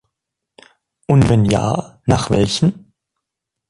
Und wenn ja, nach welchen?